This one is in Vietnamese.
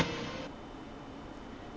ngoại trưởng các quốc gia thành viên nato